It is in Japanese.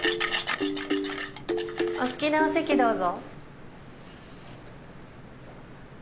お好きなお席どうぞ。